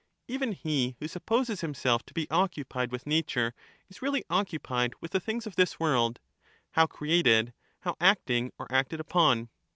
Even he who supposes himself to be occupied with nature is really occupied with the things of this world, how created, how acting or acted upon.